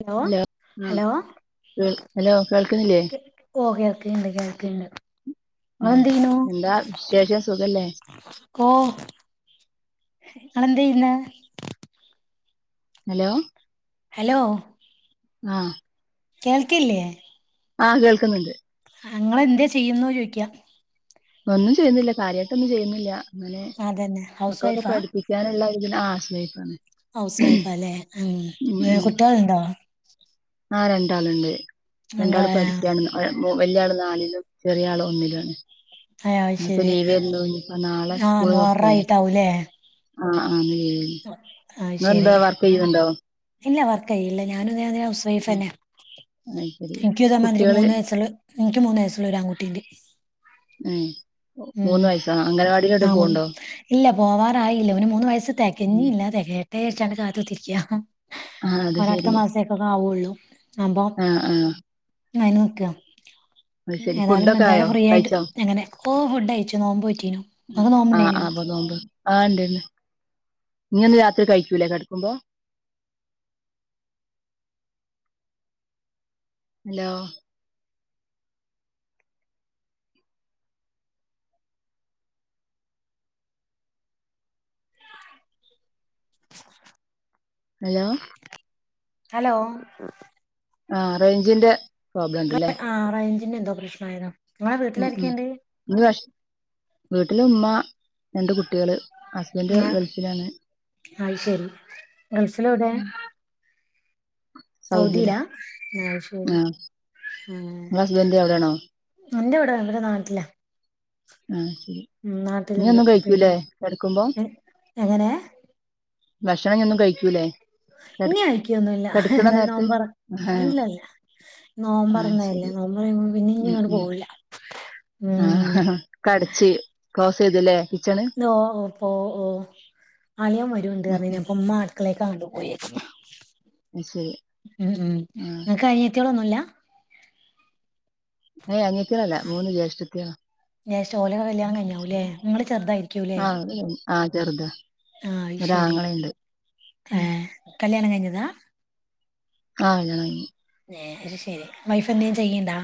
Hello hello കേ hello കേൾക്കുന്നില്ലേ കി ഓ കേ കേൾക്കുന്നുണ്ട് കേൾക്കുന്നുണ്ട് ഉം എന്താ വിശേഷം സുഖല്ലേ? ഓഹ് ഇങ്ങളെന്ത ചെയ്യുന്നെ? ഹലോ ഹലോ ആഹ് കേൾക്കില്ലേ ആ കേൾക്കുന്നുണ്ട് ആങ്ങള എന്തെ ചെയ്യുന്നു ചോദിയിക്കാ. ഒന്നും ചെയ്യുന്നില്ല കാര്യയിട്ടൊന്നും ചെയ്യുന്നില്ല അങ്ങനെ അതന്നെ ഹൗസ് മക്കളൊക്കെ വൈഫാ പഠിപ്പിക്കാനുള്ള ആ ഹൗസ് വൈഫ് ആണ് ഹൗസ് വൈഫ് അല്ലേ ഉം ഉം കുട്ടികളുണ്ടോ? ആ രണ്ടാളുണ്ട് രണ്ടാൾ എന്താ പഠിക്കുകയാണ് ആ മൂ വല്യ ആള് നാലിലും ചെറിയ ആള് ഒന്നിലും ആണ്. ആ എന്നപ്പ ശരി ലീവ് [unintelligible] നാളെ ആ സ്കൂള് തുറക്കല്ലേ. മുഹറായിട്ടാവൂലേ ആഹ് ആഹ് [unintelligible] അത് ശരി നിങ്ങളെന്താ വർക്ക് ചെയ്യ്ന്നുണ്ടോ? ഇല്ല വർക്ക് ചെയ്യല്ല ഞാനും ഇത് പോലെ ഹൗസ് വൈഫ് ഉം തന്ന അത് ശരി എനിക്കുതാമാതിരി കുട്ടികള് മൂന്ന് വയസ്സുള്ള എനിക്ക് മൂന്ന് വയസ്സുള്ള ഒരു ആൺകുട്ടി ഇണ്ട്. ഏഹ് ഉം മൂന്ന് വയസ്സാ അംഗനവാടിയിലോട്ട് ആ പോവുണ്ടോ ഇല്ല പോവാറായില്ലവന് മൂന്ന് വയസ് ഉം തെകഞ്ഞില്ല തെകയട്ടെ വെച്ച് അങ്ങട് കാത്ത് കുത്തിരിക്ക. ആഹ് അത് ഓര അടുത്ത ശരി മാസേക്കൊക്കെ ആവുള്ളൂ. ആഹ് ആഹ് യിനൊക്ക അത് ശരി ഏതായാലും ഫുഡൊക്കെ ആയോ എന്തായാലും ഫ്രീ ആയിട്ട് കഴിച്ചോ എങ്ങനെ ഓ ഫുഡയ്ച്ചു നോമ്പോ റ്റീനു ഇങ്ങക്ക് ആഹ് ആഹ് നോമ്പണ്ടേന അപ്പൊ നോമ്പ് ആഹ് ഇണ്ട്ണ്ട് ഇഞ്ഞിന്ന് രാത്രി കഴിക്കൂല്ലേ കെടക്കുമ്പോ ഹലോ ഹലോ ഹലോ ആഹ് റേഞ്ചിന്റെ പ്രോബ്ലം ണ്ടല്ലേ പിന്നെന്തോ പ്രശ്നായതാ ഇങ്ങളെ ഉം ഉം വീട്ടിലാരൊക്കെണ്ട് ഈ വർഷ് വീട്ടിലുമ്മ രണ്ട് കുട്ടികള് ഹസ്ബൻഡ് ആഹ് ഗൾഫിലാണ് അത് ശരി ഗൾഫിലെവിടെയ ഉം, സൗദിയിലാ സൗദിലാ അത് ശരി ഇങ്ങള ഹസ്ബന്ഡ് അവിടെണോ എന്റെറെ ഇവിടെ ഇവിടെ നാട്ടിലെ ആഹ് ശരി ഉം ഇഞ്ഞി നാട്ടിലിണ്ട് ഒന്നും [unintelligible] കഴിക്കൂലേ കെടക്കുമ്പോ പിന്നെ എങ്ങനെ ഭക്ഷണം ഇഞൊന്നും കഴിക്കൂലേ കെട ഇനി കയിക്കൊന്നുല്ല കെടക്ക്ണ ഏതായാലും നേരത്ത് നോമ്പർ ആഹ് ഇല്ലല്ല ആഹ് നോമ്പർന്നല്ലേ നമ്മ പിന്നെ ഇനി ഇങ്ങോട്ട പോയില്ല ആ കടച്ച് കോസ ഇതില്ലേ ഓ ഓ പോ ഓ അണിയൻ വരുണ്ട് ഉം അതിനൊപ്പം ഉമ്മ മക്കളെണ്ടുപയി അത് ശരി. ഉം ഉം ആ. നിങ്ങക്ക് അനിയത്തികൾ ഒന്നുമില്ല? [unintelligible] ഏയ് അങ്ങത്തിരല്ലേ മൂന്ന് ജേഷത്തികളാ- സ്റ്റോലെ കല്യാണം കഴിഞ്ഞാവൂല്ലെ നിങ്ങള്ൾ ചെറുതായിരിക്കുംല്ലേ ആഹ് ചെറുതാ ആഹ ശരി ഒരാങ്ങളയുണ്ട്. ഉം. ആഏ കല്യാണം കഴിഞ്ഞതാ ആഹ് ചനെ ശരി വൈഫ് എന്തേും ചെയ്യണ്ടാ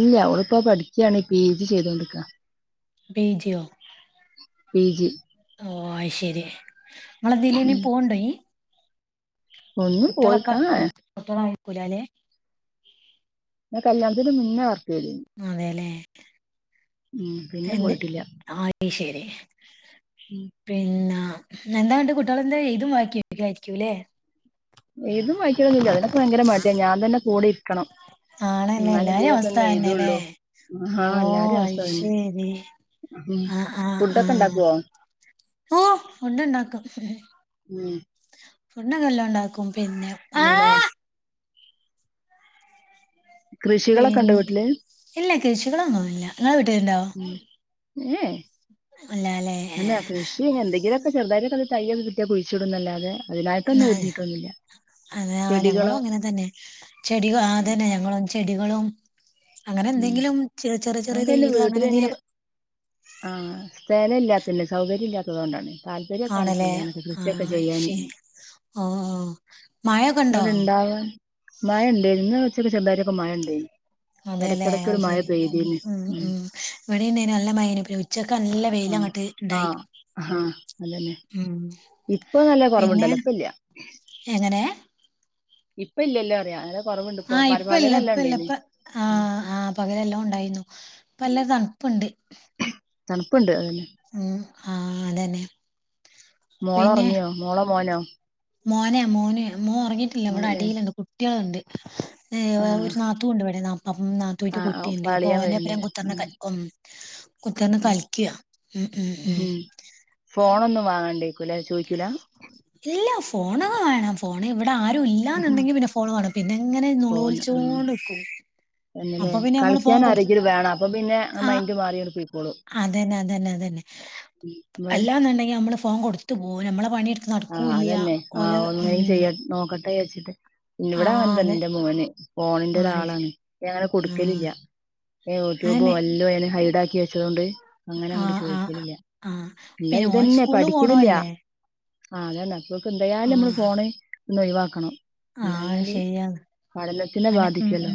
ഇല്ല അവളപ്പ പഠിക്കുകാണ് പി ജി ചെയ്തോൊണ്ടിരിക്ക- ബീജിയോ പി ജി ഓ ആയി ശരി നമ്മള ദലനി ഉം. പോണ്ടോ ഒന്നും പോയിട്ട് കുട്ടളക്കെ ആ കു ഏ കുട്ടള കഴിക്കൂല അല്ലേ ാ കല്യാണത്തിന് മുന്നേ വർ അതെല്ലേ ഉം. പിന്നെ എറെ പോയിട്ടില്ല. ആഷേ ഉം. പിന്ന എന്താ കണ്ട് കുട്ടികള എന്താ എ്തും വായിിായിയിരിക്കുംല്ലേ തും വായിക്കണംന്നില്ല അതിനൊക്കെ ഭയങ്കര മാറ്റിയാണ് ഞാൻ തന്നെ കൂടെ ഇക്കണം ആണല്ലേ എല്ലാരും അവസ്ഥ തന്നെല്ലേ ആ ഓ എല്ലാരിം അവസ്ഥ അതന്നെ. അഐ്ശരി ഉം. ആഹ് ആഹ് ഫുഡൊക്കെ ആഹ് ഇണ്ടാക്കോ? ഓ ഫുഡ് ഉണ്ടാക്കും- ഉം. ഫണ്ണ കെല്ലാം ഉണ്ടാക്കും പിന്നെ ആ ഇന്നലെ കൃഷികളൊക്കെ ഇണ്ടോ പിന്ന വീട്ടില്? ഇല്ല കൃശികളൊന്നുംല്ല ഉം ഉം ഇല്ലാല്ലേ എന്നന്നാ കൃഷി എന്തെങ്കിലുമൊക്കെ ചെറുതായിട്ടൊക്കെത് തയ്യത് കിട്ടിയ കുഴിച്ചിടുന്നല്ലാതെ അതിനായിട്ടൊന്നും ആ ഒരുഞ്ഞിട്ടൊന്നുമില്ല അതെ ഞങ്ങളും അങ്ങനെ തന്നെ ചെടിക ഉം, അതന്നെ ഞങ്ങളും ചെടികളും അങ്ങനെ ഉം. എന്തെങ്കിലും ചെ ചെറിയ ചെറിയ ഞങ്ങൾക്ക് അതിന്റെ തെയ്യകൾ വീട്ടിൽ അങ്ങനെ എന്തെങ്കലുംക്ക സേന ഇല്ലാത്തല്ല സൗകര്യം ഇല്ലാത്തത്ുക കൊണ്ടാണ് താല്പര്യംൊക്കാണ് ആണല്ലേ ചെയ്യാനൊക്കെ ആ കൃഷിയൊക്കെ ചെയ്യാൻ ശരി ഓ മായ കണ്ടോ ഉണ്ടാവാൻ മഴ ഉണ്ടായി ഇന്ന് കൊച്ചക്ക ചെല്ലാരിൊക്കെ മഴുണ്ടായി അതല്ലെ അ ശരി ഉ ഉം, ഉ ഇവിടെ ഉണ്ടായ നല്ല മൈനപ്പ ഉച്ചക്കെ നല്ല വെയിലം ട്ട് ഉണ്ടായി ആഹ് ഉം ഇപ്പൊ നല്ല കൊറമുണ്ടല്ലോപ്പല്ല ഏ ഇപ്പ ഇല്ലല്ലോ അറിയാം കുറവുണ്ട് ഇപ്പൊ ആഹ് ഇപ്പ ഇല്ല പരഭാഗലല്ല ഇപ്പ ഇല്ല ഉണ്ടായിരുന്നു ഇപ്പ ഉം, ആഹ ആഹ പകല എല്ലാം ഉണ്ടായിരുന്നു ഇപ്പ എല്ല തണുപ്പുണ്ട് തണുപ്പുണ്ട് അതന്നെ ഉം ആഹ് അതന്നെ മോളോ ഇറങ്ങിയോ മോളോ മോനോ മോനയാ മോന മോൻ ഉറങ്ങിയിട്ടില്ല ഇവിടെ മോനല്ലേ അടിയിലുണ്ട് കുട്ടികളുണ്ട് ഏ ആ ഒരു നാത്തൂ ഉണ്ട് ഇവിടെ നാപ്പ നാത്തൂവി് ആഹ് ആഹ് ഉപ്പ കുട്ടിയുണ്ട് അപ്പോൊ അളിയൻ അവന്റെപ്പരം വരുന്നില്ലേ കുത്തന്ന് ഉം ഉ കുത്തിന്നെ കളിക്കുക ഉം, ഉ ഉം. ഹം ഫോണൊന്നും വാങ്ങാണ്ടേക്കൂല ചോദിക്കൂല ഇല്ല ഫോണൊക്കെ വേണം ഫോണ് ഇവിടെ ആരും ഇല്ലന്നുണ്ടെങ്കിൽ പിന്നെ ഫോണ് കാണ പിന്നെ ഇങ്ങനെ നുള ഫോണ് ആഹ് ഒലിച്ചോണ്ട്ിക്കൂ തന്നെല്ലേ കളിക്കാൻ ആരെങ്കിലും വേണം അപ്പം പിന്നെ മൈന്റ് മാറിോ അത തന്നെ അത തന്നെ അത തന്നെ അല്ലാന്നുണ്ടെങ്കി നമ്മള് ഫോം കൊടുത്തു പോ നമ്മളെ പണി ആഹ അതന്നെ ആ ഒന്നും ചെയ്യ നോക്കട്ടെ വച്ചിട്ട് ആ പിന്നവിടെ അങ്ങനെ തന്നെ അതെ എൻറെ മോന് ഫഓണിന്റെ ആ ഒരാളാണ് അങ്ങനെ ആ കൊടുക്കലില്ല യൂട്യൂബും അതന്നെ വല്ലോ അെ ഹൈഡ് ആാക്കി വെച്ചതൊണ്ട് അങ്ങനെ അങ്ങോട് ആഹ് ആഹ് ചോദിക്കലില്ല ആഹ് ഇല്ല പിന്നെ ഓൻ ഇതന്നെ സ്കൂളിൽ പഠിക്കലില്ല പോണോല്ലേ ആ അതക്ക് എന്തായാലും നമ്മള് ഫോണ് ഒന്ന് ഒഴിവാക്കണം ആഹ അത് ഇല്ലാഞ്ഞാല് ശരിയയാന്ന് പഠനത്തിനെ അനെ ഉം ബാധിക്കുവല്ലോ ഉം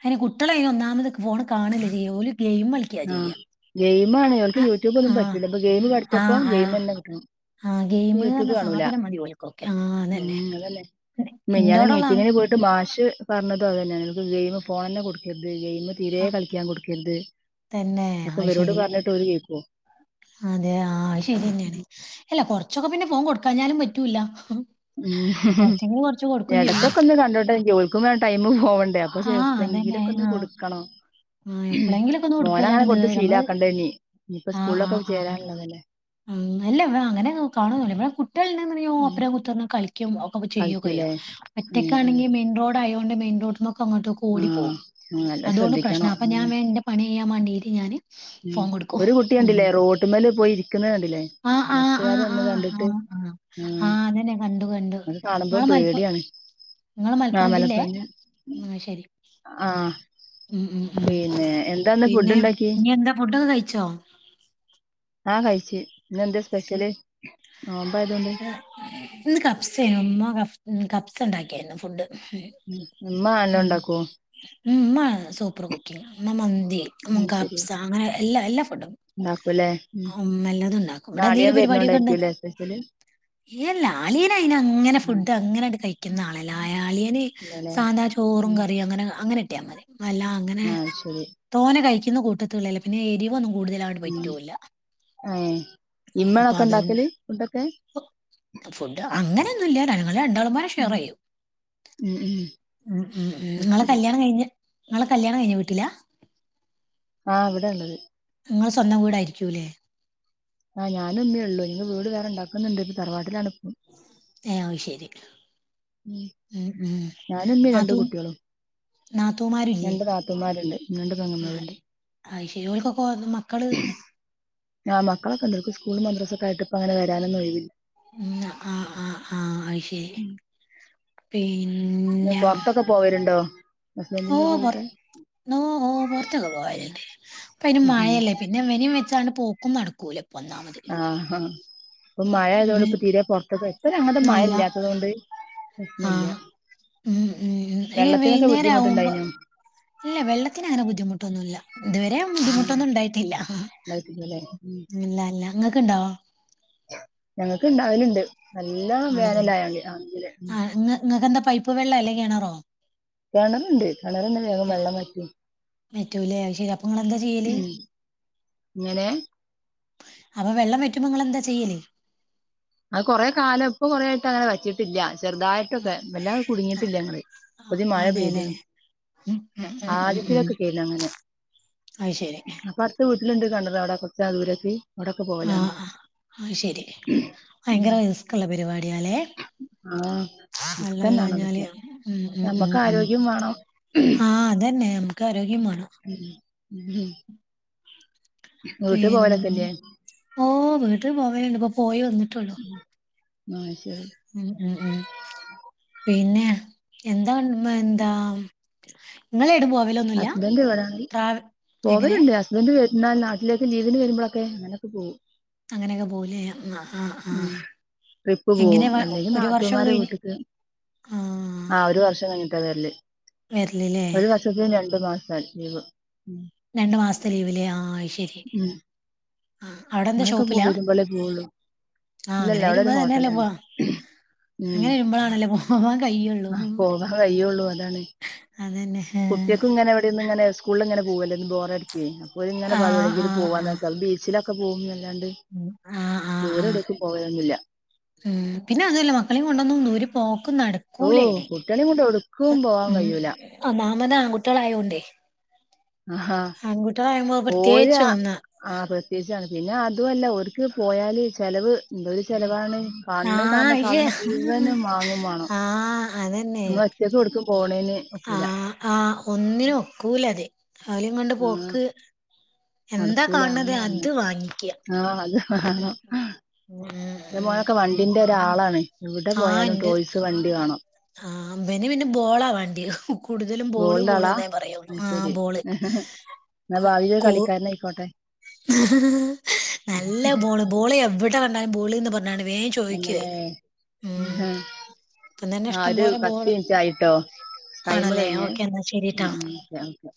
അയിന് കുട്ടികളെ അയിന് ഒന്നാമത് പോണ് കാണില്ല ജോലി ആഹ ഗെയിം ആണ് ഞൾക്ക് ആഹ് യൂട്യൂബ് ഒന്നും ആഹ് പറ്റൂല ഇപ്പൊ ഗെയിം പഠിച്ചപ്പോ ഗെയിം തന്നെ കിട്ടണം [unintelligible] ഗെയിമ പറഞ്ഞ കാണൂല സാധനം മതിോിക്കക്കെ ആ അന്നെ മ ഞൻ മീറ്റിങ്ങിന് പോയിട്ട് മാശ് പറഞ്ഞത് അത് തെയാണ് നിക്ക് ഗെയിം ഫോൺ തന്നെ കൊടുക്കത് ഗെയിമ തീരെ ആഹ് കളിക്കാൻ കൊടുക്കരുത് തന്നെ അപ്പൊ അത് ഇവരോട് ശരി പറഞ്ഞിട്ട് ര് കേക്കോ അതെ ആത് ശരി തന്നെയാണ് അല്ല കൊറച്ചൊക്കെ പിന്നെ ഫോൺ കൊടുക്കാഞ്ഞാലും പറ്റൂല്ല ഉ കൊറച്ചെങ്കിലും കൊറച്ച് കൊടുക്കും ചെയ്യും ഇടക്കൊക്കെ ഒന്ന് കണ്ടോട്ടെ ജോലിക്കുമ്പ ഒന്നന്ന് പോവണ്ടേ അപ്പൊ ആഹ് അതന്നെ ചെപ്പ്ളെങ്കയിലൊക്കെ ഒന്ന് ആഹ് കൊടുക്കണോ ആഹ് എപ്പളെങ്കിലൊക്കെ ഒന്ന് മോന കൊടുക്കലാണ് അങ്ങനെ ഇത് കൊടുത്ത് ശീല നമ്മള് ആാക്കണ്ട ഇനി ഇനിയിപ്പ സ്കൂളിലൊക്കെ ചേരാനുള്ളതല്ലേ ആ്ല്ല അങ്ങനെ കാണ ഇടെ കുട്ടികളോ ഉം അപ്പരം കുത്തനെ കിക്ക ഒക്കെ കളിക്കൂലേ ഉം ചെയ്യുകയോറ്റക്കാണെങ്കിൽ മെൻറോഡ ആയതോണ്ട് മെയിൻ റോഡ അങ്ങോട്ടൊക്കെ ഉം ഓടി ആഹ് പോകും നല്ല അതുകൊണ്ട് പ്രശ്നം ശ്രദ്ധിക്കണം അപ്പ ഉം ഞൻ എന്റെ പണി ചെയ്യാൻ വേണ്ടീയി് ഞാാന് ഉം ഒരു കുട്ടിയ ഉണ്ടില്ലേ റോട്ട്മേൽ പോയി ഇരിക്കുന്നണ്ടില്ലേ ആ ആ ആ ബസ്സുകാര ആ ഒന്ന് ആ കണ്ടിട്ട് ആ ആ അതന്നെ കണ്ടു കണ്ടു അത് കാണുമ്പോ നിങ്ങള് മലപ്പു പേടിയാണ് നിങ്ങള് മലപ്പുറം ജില്ലയെ ആമലപ്പൂന് ആ ശരി ആഹ ഉം ഉം ഉം ഫുഡ് പിന്നെ ഉണ്ടാക്കി ഇനി എന്താ ഫുഡ ഒന്ന് കഴിച്ചോ ആ കൈച്ച ഇ കഫ്സ കഫ് ഉ കപ്സ് ഉണ്ടാക്കിയായിരുന്നു ഫുഡ് ഉ ഉമ്മ എല്ലാം ഉണ്ടാക്കോ ഉ സൂപ്പർ കുക്കിങ് മന്തി കഫ്സ അങ്ങനെ എല്ല എല്ലാം ഉണ്ടാക്കുംല്ലേ ഉം ഉണ്ടാക്കും ഇവിടെ നാളികം എന്തെങ്കിലും വരുന്നണ്ടായിരിക്കല്ലേല് ലാളിയന അയിന് അങ്ങനെ ഫുഡ് അങ്ങനെട്ട് കഴിക്കുന്ന ആള ലാളിയന് ഇല്ലല്ലേ സാന്താ ചോറ് ഉം കറി അങ്ങനെ അങ്ങനെ ഇട്ടിയാ മതി അല്ല അങ്ങനെ ആ ശരി തോനെ കഴിക്കുന്ന കൂട്ടത്തുള്ളല്ല പിന്നെ എരിവോ ഉം ആഹ ഉം, അപ്പൊ ഇമ്മണൊക്കെ അതുകൊണ്ട് ഇണ്ടാക്കല് ഇന്തൊക്കെ അങ്ങനെയൊന്നുമല്ല നിങ്ങ രണ്ടാളം പോരെ ഷെയർ ചെയ്യും ഉം ഉം അത് നിങ്ങളെ ശരി കല്യാണം കഴിഞ്ഞ് നിങ്ങളെ കല്യാണം കഴിഞ്ഞു വീട്ടിലാ ആഹ ഇവിടെള്ളത് നിങ്ങൾ സ്വന്തം വീടായിരിക്കൂല്ലേ ആ്ഞാന ഒന്നേ ഉള്ളൂ നിങ്ങ വീട് വേറെണ്ടാക്കുന്നുണ്ട് ഇത് തറവാട്ടിലാണ് ഇപ്പം ശരി ഉ ഉം, ഉം. ഞാനും ഇമ്മീ രണ്ട നാത്തൂ കുട്ടികളും നാത്തൂമാരില്ലേ രണ്ട് താത്തൂമാരുണ്ട് രണ്ട് പങ്ങന്മാരുണ്ട് ആ ശോലക്കൊ മക്കള് ആ മക്കളെക്കെണ്ട് സ്കൂൾ മദ്രസ്സൊക്കെയിട്ടപ്പ അങ്ങന വരാനൊന്നും ഒഴിവില്ല ഉ ആ ആ ആ ആയി പിന്നെ പൊറത്തൊക്കെ പോവലുണ്ടോ ഓ ഹസ്ബൻഡിന്റെ പൊർ കൂടെ ഓ പൊർത്തക്കെ പോയാലേ അപ്പ അയ്ന് ഉം മഴയല്ലേ പിന്നെ ഇവനേം വെച്ചാണ് പോക്കും നടക്കൂല ഇപ്പൊ ഒന്നാമത് ആ ആ ഇപ്പൊ മഴ ആയതുകൊണ്ട് ഇപ്പ വെ- തീരെ പൊറത്ത ഇപ്പൊ അങ്ങത്തെ മഴ അല്ല ഇല്ലാത്തത് കൊണ്ട് പ്രശ്നില്ല ആഹ് ഉം ഉം ഉ ഇനി വൈന്നേരം ആവുമ്പോ ബുദ്ധിമുട്ടുണ്ടായിനോ ഇല്ല വെള്ളത്തിന് അങ്ങനെ ബുദ്ധിമു ന്നല്ല ഇതുവരെ ഉം ബുദ്ധിമുട്ടൊന്നും ഇണ്ടായിട്ടില്ല ഉണ്ടായിട്ടില്ലല്ലേ ഇല്ല അല്ല ങ്ങക്ക് ഇണ്ടാവൊ ഞങ്ങക്ക് ണ്ടാവലുണ്ട് നല്ലോം ആണല്ലേ വേനലായണ്ട് അതില് ആഹ് ഇങ്ങ ഇങ്ങക്കെന്താ പൈപ്പ് വെള്ളം അല്ലെ കെണറോ കിണറുണ്ട് കിണറ്ന്ന വേഗം വെള്ളംവറ്റും വ റ്റൂല്ലേ ശരി അപ്പൊ ഇങ്ങ എന്താ ചെയ്യല് ഇങ്ങനെ അപ്പൊ വെള്ളം വറ്റുമ്പോ ഇങ്ങളെന്താ ചെയ്യല് അത് കൊറെ കാലം ഇപ്പൊ കൊറെ ആയിട്ട് അങ്ങനെ വറ്റിയിട്ടില്ല ചെറുതായിട്ടൊക്കെ വല്ലാത ആ കുടുങ്ങിട്ടില്ല ങ്ങള്ൾ ആഹ് പുതി മഴ പെയ്ത് അതെല്ലേ ഉം ഉം ഉം ഉം ആദ്യത്തിലൊക്കെ കെനി അങ്ങനെ അത് ശരി അപ്പൊ അടുത്ത ലണ്ട് കണ്ടത് അവിടെ കൊറച്ച ദൂരത്തി അവിടെക്കെ ആഹ് പോലാന്ന് ആഹ് അത് ശരി ഭയങ്കര റിസ്ക്ള്ള പരിപാടിയാല്ലേ ആഹ് അല്ലല്ല റിസ്കന്നാണ് ഞാല് അതൊക്കെ ഉ ഉ ഉ നമ്മക്ക് ഉ ആരോഗ്യം വേണം ആ അതെ പിന്നെ നമുക്ക് ആരോഗ്യം മാണം ഉം വീട്ട് പിന്ന പോവലൊക്കെല്ലേ ഓ വീട്ടിൽ പോവാനുണ്ട് ഇപ്പൊ പോയി വന്നിട്ടുള്ളു ആഹ് ശരി ഉ ഉം ഉം പിന്നെ എന്താ മ്മ ന്താ ങ്ങളെ ടുമ്പോ ഹസ്ബൻവിടെ എങ്ങനെ പോവല്ണ്ട് ഹസ്ബൻഡ എന്നാ നാട്ടിലേക്ക് ലീവിന് വരുമ്പോക്കെ അങ്ങനൊക്കെ പോവും അങ്ങനെയൊക്കെ പോവു ലെ ആ ആആ ഉം ട്രിപ്പ് പോവും അല്ലെങ്കി നാത്തൂമാരെ വീട്ടിക്ക് ആ ഒരു വർഷം കഴി ട്ട വരല് വരല് ലേ ഒരു വർഷത്തിന് രണ്ടു മാസം ലീവ് ഉം രണ്ടു മാസത്തെ ലീവല്ലേ ആ ശരി ഉം ആ അവിടെ എന്താ അങ്ങനൊക്കെ പോ ഷോപ്പിലാ വരുമ്പോളേ പോവുള്ളൂ ആ അങ്ങനെ ഇല്ലല്ല അവിടെ ഒരു വരുമ്പോ തന്നെയല്ലേ ഹോട്ടലാണ് പോവാ ഉം അങ്ങനെ വരുമ്പോഴാണല്ലേ പോ ആ പോവാൻ കയിയുള്ളു അതാണ് അതന്നെ കുട്ട്യാക്കും ഇങ്ങനെ എവിടെന്ന് ഇങ്ങനെ സ്കൂളിങ്ങനെ പോല്ലന്ന് ബോറടിക്ക് അപ്പോ ഇങ്ങനെ ആ ആ പറയും ആ പോവാക്ക ബീച്ച്ലൊക്കെ പോക് കൊ ഉം. ദൂരം എടക്കു പോവലൊന്നില്ല ഉ പിന്നെ അതല്ല മക്കളെയും കൊണ്ടന്നും ദൂരം ഓ നടക്കൂലനെ കുട്ടികളെയും കൊണ്ട് എവിടുക്കും പോവാൻ മ് കഴിയൂല ആ മാ അമ്മതാ ആൺകുട്ടികളായോണ്ടേ ആഹാ ആൺകുട്ടികളാകുമ്പോ ഓര് പ്രത്യേകിച്ച് ഒന്നാ ആ പ്രത്യേകിച്ചാണ് പിന്നെ അതുവല്ല ഒര്ക്ക് പോയാല് ചെലവ് എന്തൊരു ചെലവാണ് ആ കണ്ണ് കാണ ഇയ്യ് സാധനം മുഴുവനും വാങ്ങും വേണം ആ അതന്നെ നമ്മൾ ഒറ്റക്കും പോ ആ ആ ഒന്നിനും ഒക്കൂലതെ അവലും കൊണ്ട് ആഹ് പോക്ക് എന്താ നടക്കൂല കാണത് അതന്നെ പറഞ്ഞു അത് വാങ്ങിക്കാ ആഹ് അത് വേണം എന്റെ മോനൊക്കെ വണ്ടിൻ്റെ ഒരാളാണ് എവിടെ ആ പോയാലും ഇണ്ട് ടോയ്സ് വണ്ടി വാണം ആ ഇബന് പിന്നെ ബോളാ വേണ്ടിയ കൂടുതലും ബോള് ഗോൾഡ് ബോള് എന്ന പറയൂ ആ ബോള് മ ബാവിലൊരു കൂ കളിക്കാരനാ ഇക്കോട്ടേ നല്ല ബോള് ബോളി എവിടെ കണ്ടാലും ബോളിന്ന് പറ [unintelligible] അല്ലല്ലേ ചോദിക്കുവായിരുന്ന ഉം ഇപ്പ തന്നെ ആഹ് ഇഷ്ടം ഒരു പോലെ പത്ത് ബോള് മിനിറ്റ് ആയിട്ടോ ടൈം ആണല്ലേ കഴിഞ്ഞേ ഓക്കേ എന്നാ ഉം ശെരിട്ടാ ഉം ഓക്കെ ഓക്കെ